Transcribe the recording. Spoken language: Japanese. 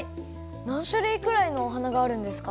なんしゅるいくらいのお花があるんですか？